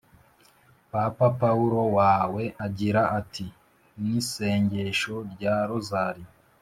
papa pawulo wa we agira ati n isengesho rya rozari